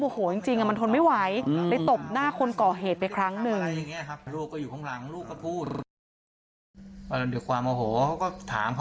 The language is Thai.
โหจริงมันทนไม่ไหวเลยตบหน้าคนก่อเหตุไปครั้งหนึ่ง